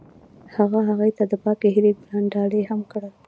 هغه هغې ته د پاک هیلې ګلان ډالۍ هم کړل.